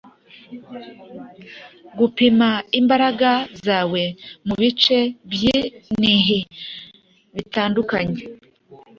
gupima imbaraga zawe mubice byinhi bitandukanye